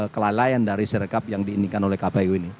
kelalaian dari serekap yang diindikan oleh kpu ini